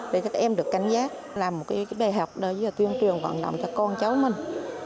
để các em được cảnh giác làm một bài học để truyền truyền hoạt động cho con cháu mình